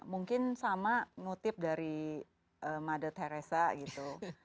mungkin sama ngutip dari mother teresa gitu